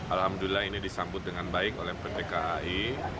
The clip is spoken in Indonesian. alhamdulillah ini disambut dengan baik oleh pt kai